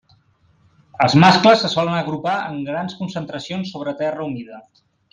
Els mascles se solen agrupar en grans concentracions sobre terra humida.